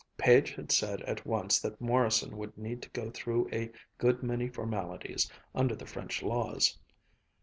Page had said at once that Morrison would need to go through a good many formalities, under the French laws.